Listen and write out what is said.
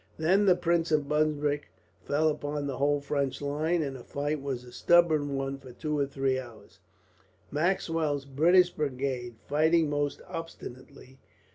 Then the Prince of Brunswick fell upon the whole French line, and the fight was a stubborn one for two or three hours, Maxwell's British brigade fighting most obstinately.